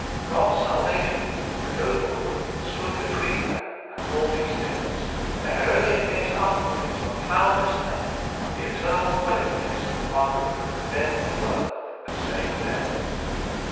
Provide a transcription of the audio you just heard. God's salvation the "gopher wood," stood between them and all these things. They had only to gaze upward into a cloudless heaven, the eternal dwelling place of the One who had condemned the world, and saved them.